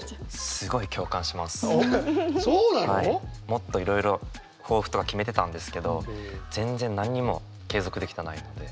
もっといろいろ抱負とか決めてたんですけど全然何にも継続できてないので。